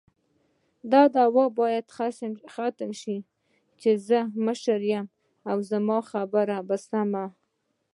دا دود باید ختم شې چی زه مشر یم او زما خبره به سمه